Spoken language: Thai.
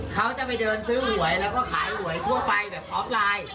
เขาจะไปเดินซื้อหวยแล้วก็ขายหวยทั่วไปแบบออฟไลน์